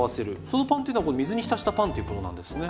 そのパンっていうのはこの水に浸したパンっていうことなんですね。